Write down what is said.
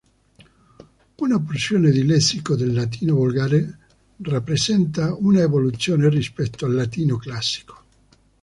Una porzione di lessico del latino volgare rappresenta una evoluzione rispetto al latino classico.